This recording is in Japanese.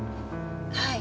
はい。